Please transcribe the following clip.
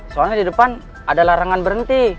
soalnya di depan ada larangan berhenti